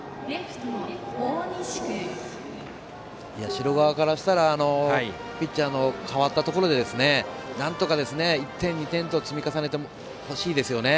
社側からすればピッチャーの代わったところからなんとか１点、２点と積み重ねてほしいですよね。